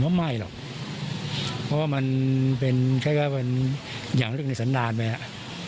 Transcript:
ผมว่าไม่หรอกเพราะว่ามันเป็นแค่ก็เป็นอย่างลึกในสันดาลไปอ่ะ